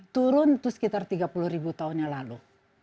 turun itu sekitar tiga puluh ribu tahun yang lalu